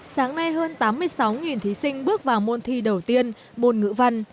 sáng nay hơn tám mươi sáu thí sinh bước vào môn thi đầu tiên môn ngữ văn